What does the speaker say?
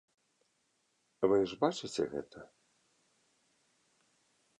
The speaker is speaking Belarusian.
Вы ж бачыце гэта?